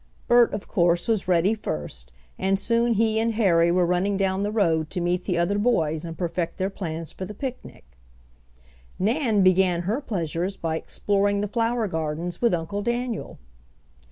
Bert, of course, was ready first; and soon he and Harry were running down the road to meet the other boys and perfect their plans for the picnic. Nan began her pleasures by exploring the flower gardens with Uncle Daniel.